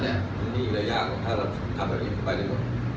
มันมีรายละยะนะถ้าเราทำแบบนี้ไปเลย